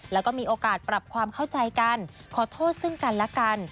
แล้วก็มีโอกาสปรับความเข้าใจกันขอโทษซึ่งกันและกัน